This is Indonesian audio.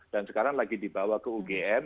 dan sekarang lagi dibawa ke ugm